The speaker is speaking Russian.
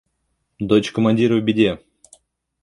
Дочь командира в беде!